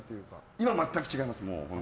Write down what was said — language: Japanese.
今は全く違います。